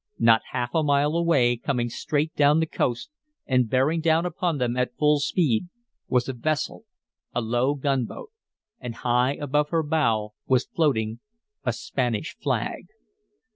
Not half a mile away, coming straight down the coast and bearing down upon them at full speed, was a vessel, a low gunboat. And high above her bow was floating a Spanish flag.